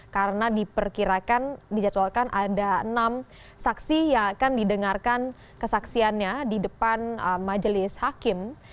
karena diperkirakan dijadwalkan ada enam saksi yang akan didengarkan kesaksiannya di depan majelis hakim